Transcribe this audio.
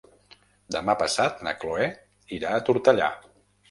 Demà passat na Chloé irà a Tortellà.